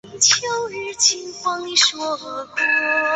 龙州山牡荆为马鞭草科牡荆属下的一个变型。